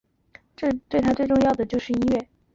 当时对他最重要的就是音乐。